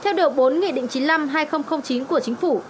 theo điều bốn nghị định chín mươi năm hai nghìn chín của chính phủ